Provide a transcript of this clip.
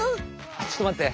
ちょっとまって。